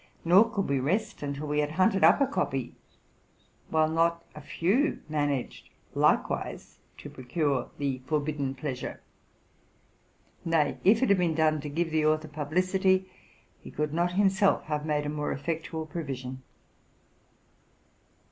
Nor could we rest until we had hunted up a copy, while not a few managed likewise to procure the forbidden pleasure. Nay, if it had been done to give the author publicity, he could not himself have made a more effectual provision.